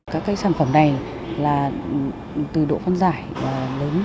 các sản phẩm này từ độ phân giải lớn